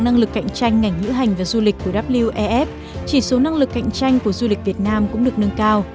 năng lực cạnh tranh ngành hữu hành và du lịch của wef chỉ số năng lực cạnh tranh của du lịch việt nam cũng được nâng cao